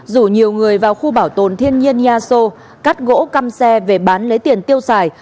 rủ nhiều người vào khu bảo tồn thiên nhiên nha xô cắt gỗ căm xe về bán lấy tiền tiêu xài